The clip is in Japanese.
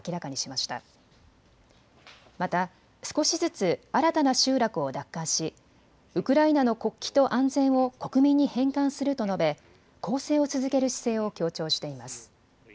また少しずつ新たな集落を奪還しウクライナの国旗と安全を国民に返還すると述べ、攻勢を続ける姿勢を強調しています。